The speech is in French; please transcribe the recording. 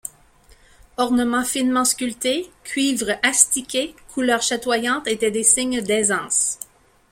Ornements finement sculptés, cuivres astiqués, couleurs chatoyantes étaient des signes d’aisance.